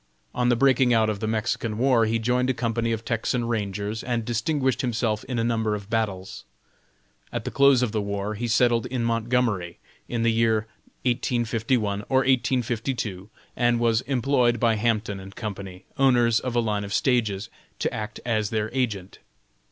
On the breaking out of the Mexican war he joined a company of Texan Rangers, and distinguished himself in a number of battles. At the close of the war he settled in Montgomery, in the year 1851, or 1852, and was employed by Hampton & Co., owners of a line of stages, to act as their agent.